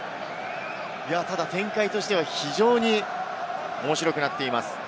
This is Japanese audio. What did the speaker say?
展開としては非常に面白くなっています。